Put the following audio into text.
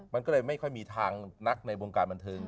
มันก็เลยไม่ค่อยมีทางนักในวงการบันเทิง